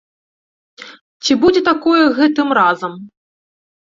Ці будзе такое гэтым разам?